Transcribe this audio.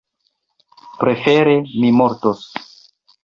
Prefere mi mortos!